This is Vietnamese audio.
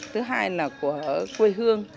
thứ hai là của quê hương